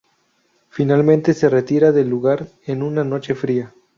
Finalmente se retira del lugar, en una noche fría.